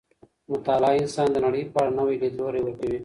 مطالعه انسان ته د نړۍ په اړه نوی ليدلوری ورکوي.